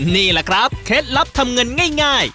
นี่แหละครับเคล็ดลับทำเงินง่าย